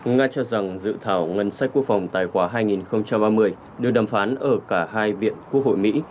nga cho rằng dự thảo ngân sách quốc phòng tài khoá hai nghìn ba mươi đều đàm phán ở cả hai viện quốc hội mỹ